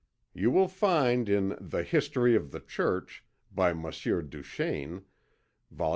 You will find in the History of the Church, by Monsignor Duchesne Vol.